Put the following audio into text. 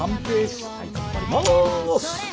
はい頑張ります！いこう！